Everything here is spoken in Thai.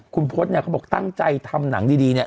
คุณพศเนี่ยเขาบอกตั้งใจทำหนังดีเนี่ย